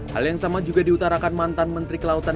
hal yang sama juga diutarakan mantan menteri kelautan